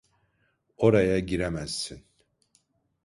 Oraya giremezsin.